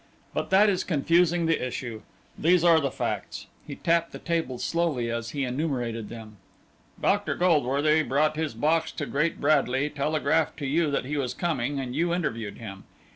But that is confusing the issue. These are the facts." He tapped the table slowly as he enumerated them. "Dr. Goldworthy brought this box to Great Bradley, telegraphed to you that he was coming, and you interviewed him.